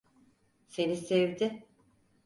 Seni sevdi.